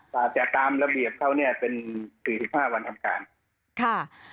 แต่ตามระเบียบเขาเนี่ย๔๕วันทำการ